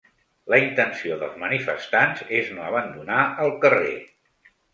La intenció dels manifestants és no abandonar el carrer.